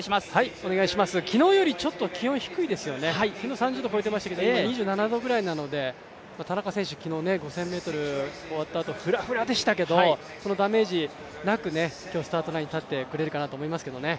昨日よりちょっと気温低いですよね、昨日、３０度超えていましたけど今２７度くらいなので、田中選手、昨日５０００ｍ終わったあとフラフラでしたけど、ダメージなく今日、スタートラインに立ってくれると思いますけどね。